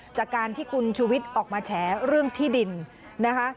จากการที่คุณชูวิทย์ออกมาแฉเรื่องที่ดินนะคะ